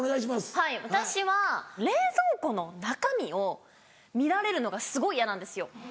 はい私は冷蔵庫の中身を見られるのがすごい嫌なんですよ。